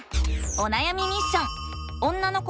おなやみミッション！